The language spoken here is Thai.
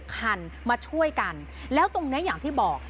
คันมาช่วยกันแล้วตรงนี้อย่างที่บอก